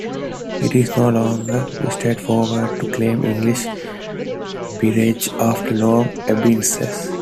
It is no longer straightforward to claim English peerages after long abeyances.